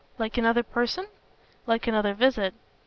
"Like another person?" "Like another visit."